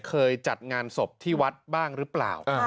เคยจัดงานศพที่วัดบ้างหรือเปล่า